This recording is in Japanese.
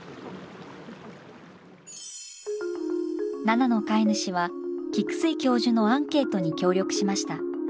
奈々の飼い主は菊水教授のアンケートに協力しました。